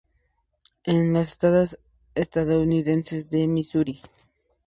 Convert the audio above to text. En el estado estadounidense de Misuri.